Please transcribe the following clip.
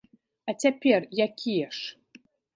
А цяпер якія ж?